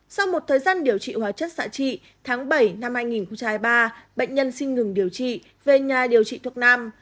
sau một thời gian điều trị hóa chất xạ trị tháng bảy năm hai nghìn hai mươi ba bệnh nhân xin ngừng điều trị về nhà điều trị thuốc nam